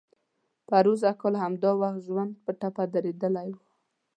پروسږ کال همدا وخت ژوند په ټپه درولی و.